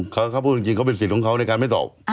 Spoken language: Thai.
เขาพูดจริงเขาเป็นสิทธิ์ของเขาในการไม่ตอบ